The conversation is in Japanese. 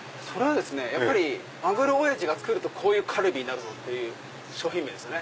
やっぱりマグロおやじが作るとこういうカルビになるぞっていう商品名ですよね。